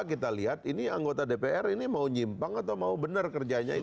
kita lihat ini anggota dpr ini mau nyimpang atau mau benar kerjanya itu